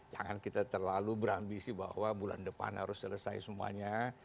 jangan kita terlalu berambisi bahwa bulan depan harus selesai semuanya